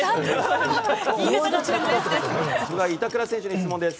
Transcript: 板倉選手に質問です。